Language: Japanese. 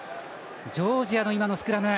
ジョージアの今のスクラム。